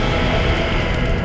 aku akan menang